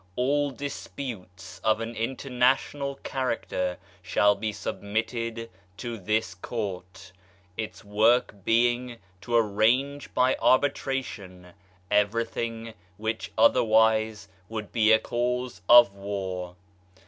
All disputes of an international character shall be submitted to this Court, its work being to arrange by arbitration everything which otherwise would be a cause of war.